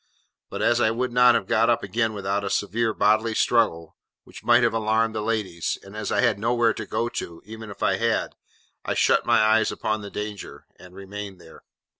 But as I could not have got up again without a severe bodily struggle, which might have alarmed the ladies; and as I had nowhere to go to, even if I had; I shut my eyes upon the danger, and remained there.